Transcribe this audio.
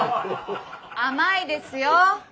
甘いですよ。